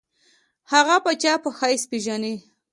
هغه پاچا په حیث پېژني.